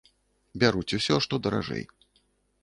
Бяруць усё, што даражэй.